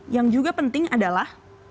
yang juga penting adalah